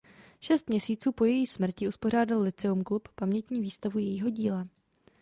Šest měsíců po její smrti uspořádal Lyceum Club pamětní výstavu jejího díla.